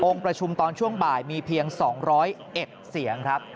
ประชุมตอนช่วงบ่ายมีเพียง๒๐๑เสียงครับ